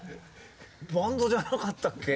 バンドじゃなかったけ。